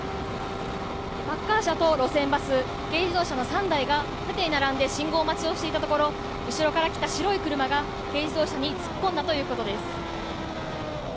パッカー車と路線バス軽自動車の３台が縦に並んで信号待ちをしていたところ後ろから来た白い車が軽自動車に突っ込んだということです。